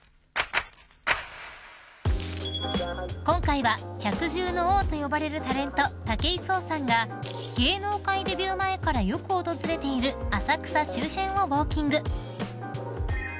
［今回は百獣の王と呼ばれるタレント武井壮さんが芸能界デビュー前からよく訪れている浅草周辺をウオーキング］